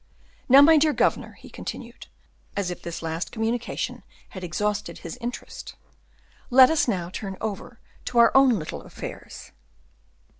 Now, my dear governor," he continued, as if this last communication had exhausted his interest, "let us now turn over to our own little affairs."